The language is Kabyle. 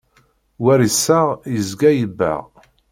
War iseɣ, yezga yebbeɣ.